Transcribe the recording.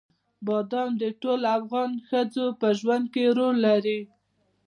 بادام د ټولو افغان ښځو په ژوند کې رول لري.